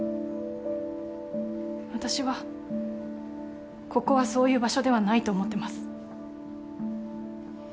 私はここはそういう場所ではないと思ってます。